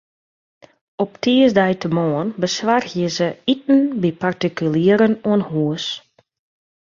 Op tiisdeitemoarn besoargje se iten by partikulieren oan hûs.